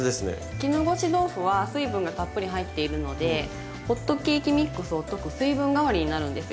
絹ごし豆腐は水分がたっぷり入っているのでホットケーキミックスを溶く水分代わりになるんですよ。